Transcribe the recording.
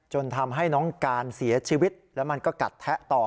ทำให้น้องการเสียชีวิตแล้วมันก็กัดแทะต่อ